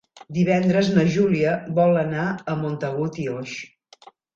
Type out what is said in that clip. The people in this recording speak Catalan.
Divendres na Júlia vol anar a Montagut i Oix.